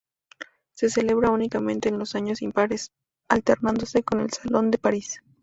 Se celebra únicamente en los años impares, alternándose con el Salón de París.